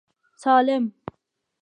سالم.